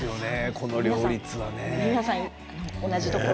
この両立はね。